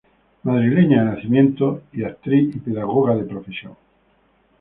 Madrileña de nacimiento y actriz y pedagoga de profesión.